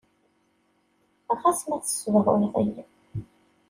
Ɣas ma tessedhuyeḍ-iyi.